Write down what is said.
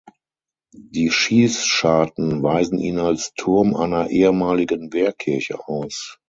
Die Schießscharten weisen ihn als Turm einer ehemaligen Wehrkirche aus.